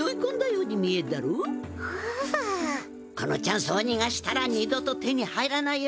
このチャンスをにがしたら二度と手に入らないよ。